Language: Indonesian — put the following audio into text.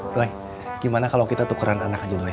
doi gimana kalo kita tukeran anak aja doi